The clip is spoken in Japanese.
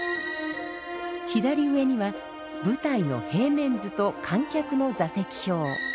左上には舞台の平面図と観客の座席表。